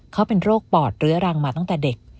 เขาเป็นโรคปอดเรื้อรังมาตั้งแต่เด็ก